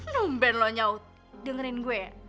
numben lo nyaud dengerin gue ya